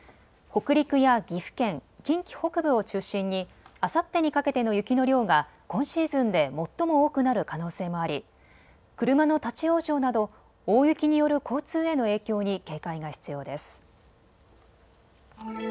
北陸や岐阜県、近畿北部を中心にあさってにかけての雪の量は今シーズンで最も多くなる可能性もあり車の立往生など大雪による交通への影響に警戒が必要です。